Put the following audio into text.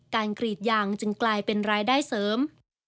กรีดยางจึงกลายเป็นรายได้เสริม